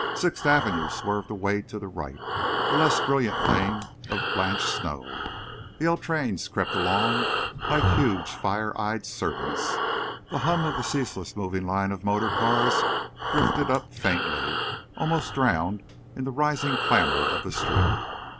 Sixth Avenue swerved away to the right, a less brilliant lane of blanched snow. The L trains crept along like huge fire eyed serpents. The hum of the ceaseless moving line of motor cars drifted upward faintly, almost drowned in the rising clamor of the street.